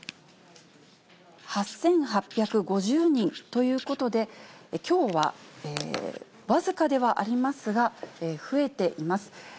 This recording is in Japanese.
８８５０人ということで、きょうは僅かではありますが、増えています。